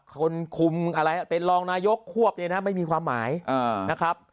คนคุมอะไรเป็นรองนายกควบเนี่ยนะไม่มีความหมายนะครับ